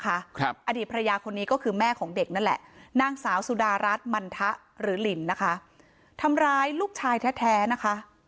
ครับอดีตภรรยาคนนี้ก็คือแม่ของเด็กนั่นแหละนางสาวสุดารัฐมันทะหรือหลินนะคะทำร้ายลูกชายแท้แท้นะคะ